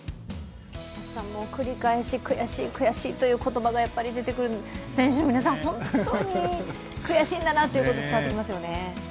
繰り返し、悔しい悔しいという言葉が出てくる選手の皆さん、本当に悔しいんだなというのが伝わってきますよね。